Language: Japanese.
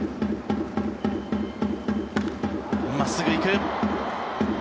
真っすぐ、行く。